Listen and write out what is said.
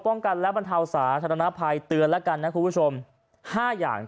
ป้องกันและบรรเทาสาธารณภัยเตือนแล้วกันนะคุณผู้ชมห้าอย่าง